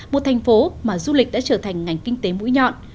một thành phố mà du lịch đã trở thành ngành kinh tế mũi nhọn